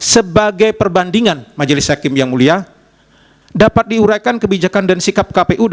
sebagai perbandingan majelis hakim yang mulia dapat diuraikan kebijakan dan sikap kpu